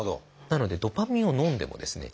なのでドパミンをのんでもですね